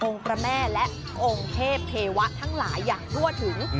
พระแม่และองค์เทพเทวะทั้งหลายอย่างทั่วถึง